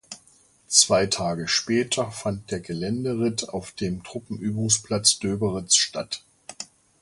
Zwei Tage später fand der Geländeritt auf dem Truppenübungsplatz Döberitz statt.